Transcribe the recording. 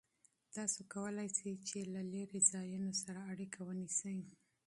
تاسو کولای شئ چې له لرې ځایونو سره اړیکه ونیسئ.